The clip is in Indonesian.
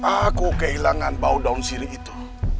aku kehilangan bau daun siri itu